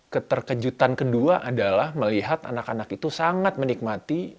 keterkejutan kedua adalah melihat anak anak itu sangat menikmati